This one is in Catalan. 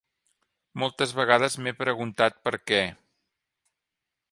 Moltes vegades m'he preguntat per què.